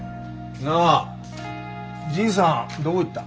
なあじいさんどこ行った？